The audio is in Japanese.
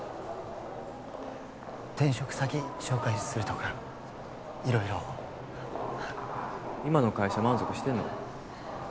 転職先紹介するとか色々今の会社満足してんの？